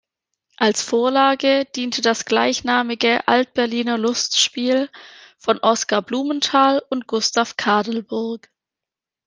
Als Vorlage diente das gleichnamige Alt-Berliner Lustspiel von Oskar Blumenthal und Gustav Kadelburg.